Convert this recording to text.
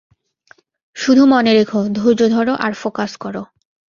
শুধু মনে রেখ, ধৈর্য ধরো আর ফোকাস করো।